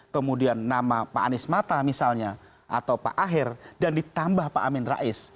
kemudian nama pak anies mata misalnya atau pak aher dan ditambah pak amin rais